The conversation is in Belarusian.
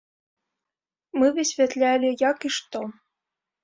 Мы высвятлялі, як і што.